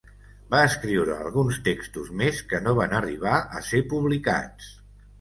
Va escriure alguns textos més, que no van arribar a ser publicats.